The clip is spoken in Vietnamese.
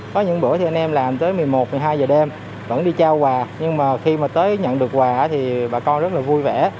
có những bữa thì anh em làm tới một mươi một một mươi hai giờ đêm vẫn đi trao quà nhưng mà khi mà tới nhận được quà thì bà con rất là vui vẻ